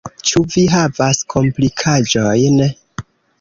Ĉu vi havas komplikaĵojn?